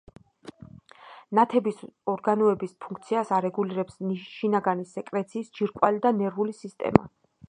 ნათების ორგანოების ფუნქციას არეგულირებს შინაგანი სეკრეციის ჯირკვალი და ნერვული სისტემა.